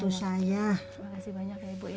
terima kasih banyak ya ibu ya